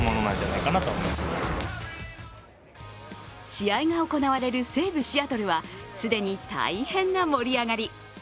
試合が行われる西部シアトルは既に大変な盛り上がり。